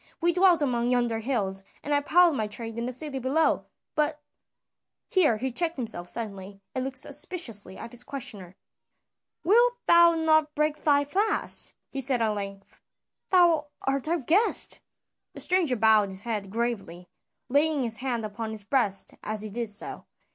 "We dwelt among yonder hills, and I plied my trade in the city below, but " here he checked himself suddenly, and looked suspiciously at his questioner. "Wilt thou not break thy fast?" he said at length. "Thou art our guest." The stranger bowed his head gravely, laying his hand upon his breast as he did so.